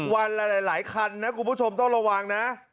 วันละหลายคันนะคุณผู้ชมต้องระวังนะ